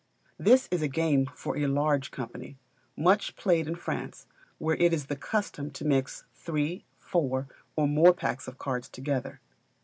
This is a game for a large company, much played in France, where it is the custom to mix three, four, or more packs of cards together.